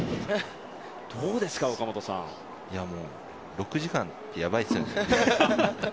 ６時間ってやばいですね。